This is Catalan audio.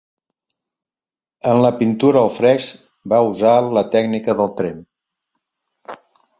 En la pintura al fresc va usar la tècnica del tremp.